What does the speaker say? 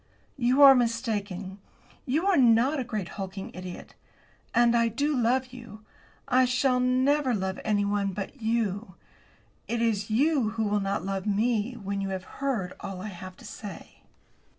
"You are mistaken. You are not a great hulking idiot. And I do love you. I shall never love anyone but you. It is you who will not love me when you have heard all I have to say."